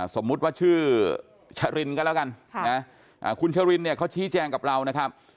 สมมุติว่าชื่อชรินก็แล้วกันคุณชรินเนี่ยเขาชี้แจงกับเรานะครับ